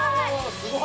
すごい！